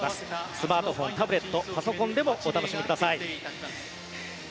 スマートフォン、タブレットパソコンでもお楽しみください。